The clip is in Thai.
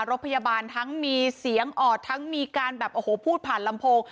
รถพยาบาลทั้งมีเสียงออดทั้งมีการแบบโอ้โหพูดผ่านลำโพง